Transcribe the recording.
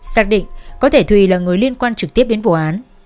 xác định có thể thùy là người liên quan trực tiếp đến vụ án